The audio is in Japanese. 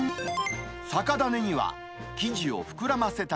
酒種には、生地を膨らませた